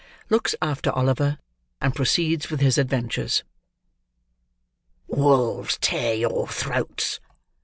LOOKS AFTER OLIVER, AND PROCEEDS WITH HIS ADVENTURES "Wolves tear your throats!"